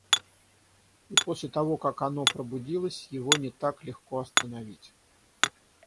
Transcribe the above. И после того как оно пробудилось, его не так легко остановить.